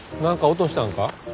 何か落としたんか？